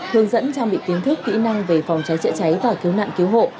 hướng dẫn trang bị kiến thức kỹ năng về phòng cháy cháy cháy và kiếu nạn kiếu hộ